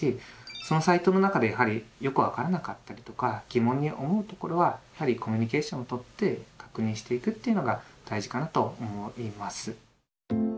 そのサイトの中でよく分からなかったりとか疑問に思うところはやはりコミュニケーションをとって確認していくというのが大事かなと思います。